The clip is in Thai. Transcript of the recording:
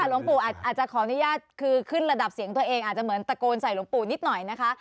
หลวงปู่อาจจะขออนุญาตคือขึ้นระดับเสียงตัวเองอาจจะเหมือนตะโกนใส่หลวงปู่นิดหน่อยนะคะ